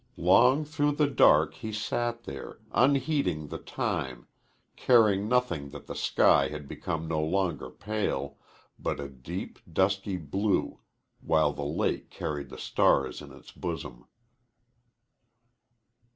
Long through the dark he sat there, unheeding the time, caring nothing that the sky had become no longer pale but a deep, dusky blue, while the lake carried the stars in its bosom.